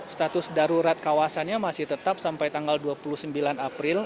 status darurat kawasannya masih tetap sampai tanggal dua puluh sembilan april